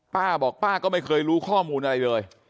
ป้าบอกป้าก็ไม่เคยรู้ข้อมูลอะไรเลย